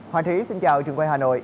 hòa thúy xin chào trường quay hà nội